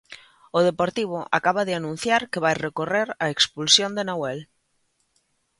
O Deportivo acaba de anunciar que vai recorrer a expulsión de Nauhel.